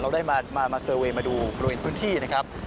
ได้มาเซอร์เวย์มาดูบริเวณพื้นที่นะครับ